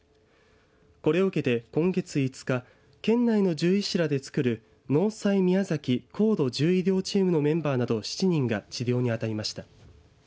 これを受けて今月５日県内の獣医師らでつくるＮＯＳＡＩ宮崎高度獣医療チームのメンバーなどの７人が治療に当たりました。